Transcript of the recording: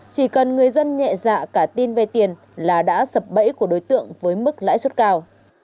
chỉ cần người dân nhẹ dạ cả tin vay tiền là đã sập bẫy của đối tượng với mức lãi suất cao